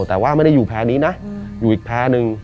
แต่ว่าไม่ได้อยู่แพ้นี้นะอยู่อีกแพ้หนึ่ง